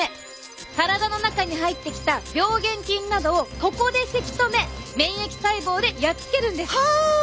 体の中に入ってきた病原菌などをここでせき止め免疫細胞でやっつけるんです。